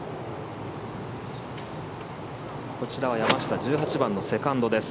こちらは山下１８番のセカンドです。